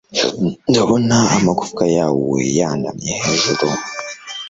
ndabona amagufwa yawe yanamye hejuru